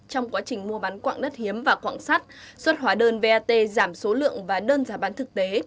trong quá trình mua bán quạng đất hiếm và quạng sắt xuất hóa đơn vat giảm số lượng và đơn giá bán thực tế